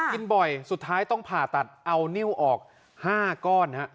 กินบ่อยสุดท้ายต้องผ่าตัดเอานิ้วออก๕ก้อน